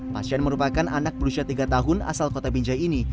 pasien merupakan anak berusia tiga tahun asal kota binjai ini